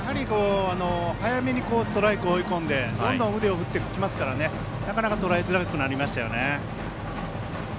早めにストライクで追い込んでどんどん腕を振ってきますからなかなかとらえづらくなりました。